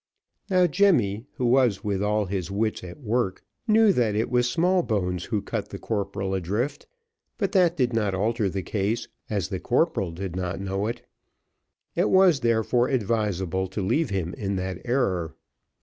Now Jemmy, who was with all his wits at work, knew that it was Smallbones who cut the corporal adrift; but that did not alter the case, as the corporal did not know it. It was therefore advisable to leave him in that error.